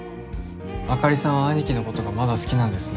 あかりさんは兄貴のことがまだ好きなんですね